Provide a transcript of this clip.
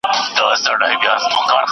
ايا د مطالعې تنوع د علمي فقر مخه نيسي؟